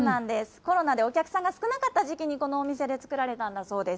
コロナでお客さんが少なかった時期にこのお店で作られたんだそうです。